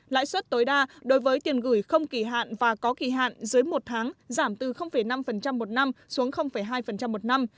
lãi suất tối đa đối với tiền gửi không kỳ hạn và có kỳ hạn dưới một tháng giảm từ năm một năm xuống hai một năm